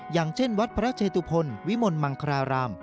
อย่างเช่นวัดพระเชตุพลวิมลมังคราราม